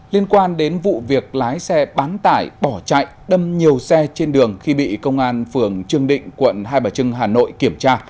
liên quan đến vụ việc lái xe bán tải bỏ chạy đâm nhiều xe trên đường khi bị công an phường trương định quận hai bà trưng hà nội kiểm tra